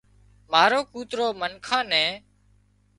مارو ڪوترو منکان نين